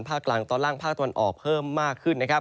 ภาคกลางตอนล่างภาคตะวันออกเพิ่มมากขึ้นนะครับ